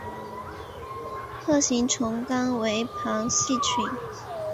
核形虫纲为旁系群。